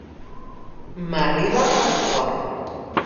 M'arriba al cor.